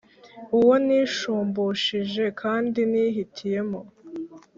uwo nishumbushije kandi nihitiyemo,